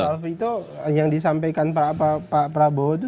soal situ yang disampaikan pak prabowo itu